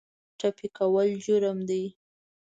ټپي کول جرم دی.